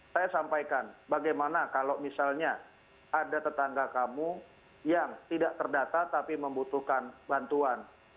saya sampaikan bagaimana kalau misalnya ada tetangga kamu yang tidak terdata tapi membutuhkan bantuan